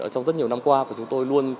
trong rất nhiều năm qua của chúng tôi luôn